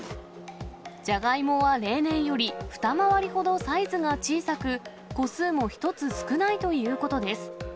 ジャガイモは例年より、二回りほどサイズが小さく、個数も１つ少ないということです。